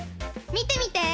みてみて！